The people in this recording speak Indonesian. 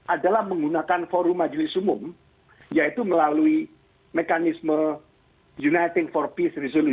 adalah menggunakan forum majelis umum yaitu melalui mekanisme united for peace reason